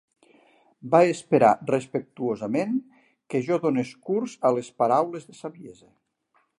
Va esperar respectuosament que jo donés curs a les paraules de saviesa.